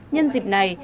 nhân dịp này